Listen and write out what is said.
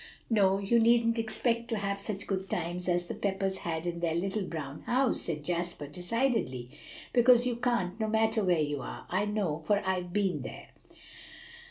"No, you needn't expect to have such good times as the Peppers had in their Little Brown House," said Jasper decidedly; "because you can't, no matter where you are. I know, for I've been there."